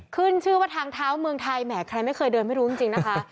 ขึ้นชื่อว่าทางเท้าเมืองไทยแหมใครไม่เคยเดินไม่รู้จริงนะคะ